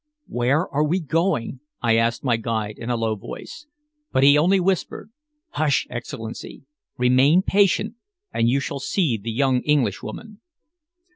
"Where are we going?" I asked my guide in a low voice. But he only whispered: "Hush! Excellency! Remain patient, and you shall see the young Englishwoman."